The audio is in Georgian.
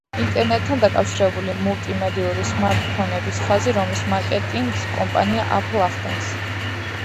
ინტერნეტთან დაკავშირებული მულტიმედიური სმარტფონების ხაზი, რომლის მარკეტინგს კომპანია Apple ახდენს.